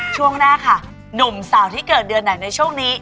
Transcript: ช่วงหน้าค่ะหนุ่มสาวที่เกิดเดือนไหนในช่วงนี้